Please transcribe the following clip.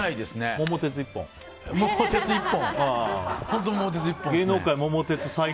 「桃鉄」一本。